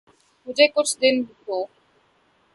مجھے کچھ دن دو۔